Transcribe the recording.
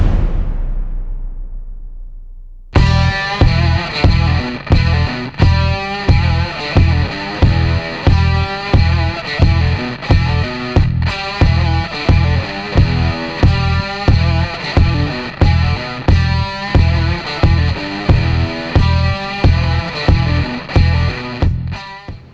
เป็นอุ้ย